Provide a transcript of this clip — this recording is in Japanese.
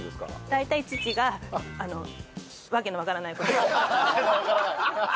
大体父が「訳のわからない」。